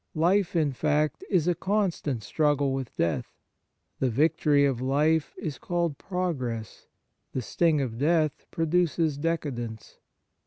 Life, in fact, is a constant struggle with death. The victory of life is called progress, the sting of death produces decadence.